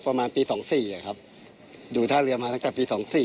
ประมาณปีสองสี่อ่ะครับดูท่าเรือมาตั้งแต่ปีสองสี่